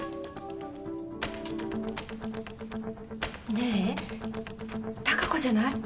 ・ねえ貴子じゃない？